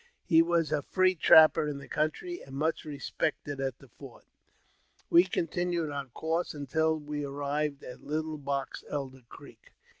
was a free trapper in the country, and much respected at t fort. We continued our course until we arrived at Little Bo; Elder Creek.